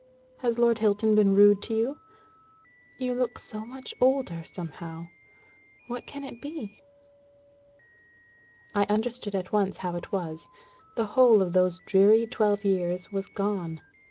Has Lord Hilton been rude to you? You look so much older, somehow. What can it be?" I understood at once how it was. The whole of those dreary twelve years was gone.